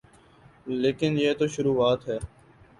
لیکن یہ تو شروعات ہے۔